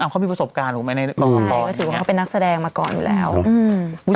เขามีประสบการณ์หรอในร่วมกันบ่อยแบบนี้ค่ะหือแล้วมึง